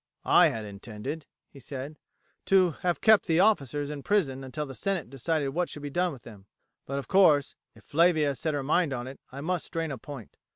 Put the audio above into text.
"I had intended," he said, "to have kept the officers in prison until the senate decided what should be done with them; but, of course, if Flavia has set her mind on it I must strain a point.